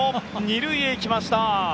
２塁へ行きました。